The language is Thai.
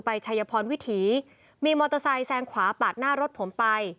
ชัยพรวิถีมีมอเตอร์ไซค์แซงขวาปาดหน้ารถผมไป